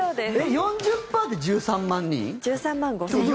４０％で１３万人？